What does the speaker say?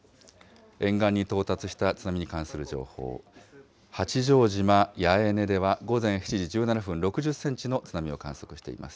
沿岸に到達した津波に関する情報、八丈島八重根では午前７時１７分、６０センチの津波を観測しています。